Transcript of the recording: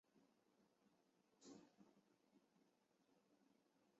同时播出部分参赛者与监制黄慧君之对谈。